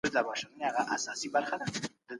نړیوال سوداګریز قوانین د بازار نظم ساتي.